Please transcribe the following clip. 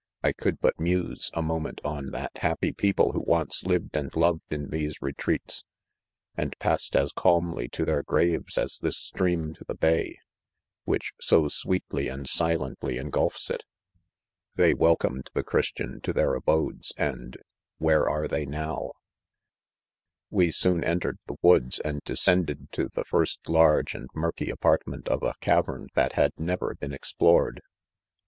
I could but muse, a moment, on that happy people who once lived" and loved in these retreats, and passed as calmly to their grave's as this stream to the bay, which so sweetly and silently engulfs it. They wel comed the christian to their abodes and — where Ere they now 3 ■ We soon entered the woods, and descended to the first large and murky apartment of a cavern that had never been explored.